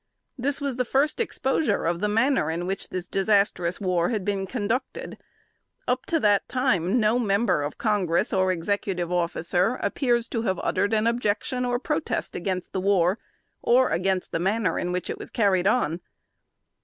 This was the first exposure of the manner in which this disastrous war had been conducted. Up to that time no member of Congress, or Executive officer, appears to have uttered an objection or protest against the war, or against the manner in which it was carried on.